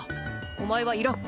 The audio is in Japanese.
お前はいらん。